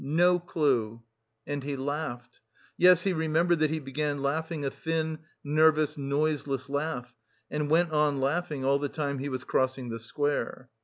No clue!" And he laughed. Yes, he remembered that he began laughing a thin, nervous noiseless laugh, and went on laughing all the time he was crossing the square.